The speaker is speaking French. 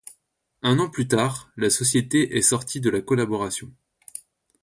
Un an plus tard, la société est sortie de la collaboration.